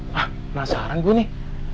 hah penasaran gue nih